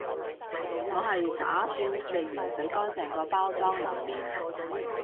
我係打算食完洗乾淨個包裝留念